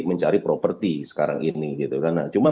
mencari properti sekarang ini cuma